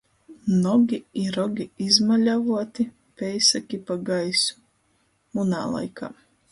Nogi i rogi izmaļavuoti, peisaki pa gaisu. Munā laikā.